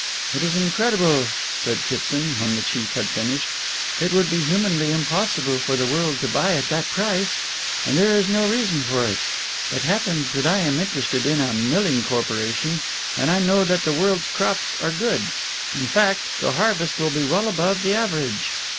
"It is incredible," said Kitson when the chief had finished. "It would be humanly impossible for the world to buy at that price. And there is no reason for it. It happens that I am interested in a milling corporation and I know that the world's crops are good in fact, the harvest will be well above the average.